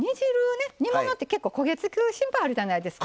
煮物って結構焦げ付く心配あるじゃないですか。